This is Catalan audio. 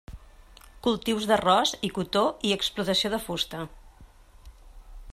Cultius d'arròs i cotó i explotació de fusta.